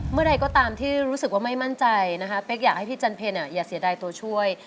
เมื่อใดก็ตามที่รู้สึกว่าไม่มั่นใจนะคะเป๊กอยากให้พี่จันเพลอย่าเสียดายตัวช่วย